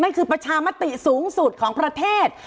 คือประชามติสูงสุดของประเทศ